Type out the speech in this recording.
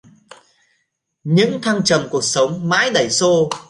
Những thăng trầm cuộc sống mãi đẩy xô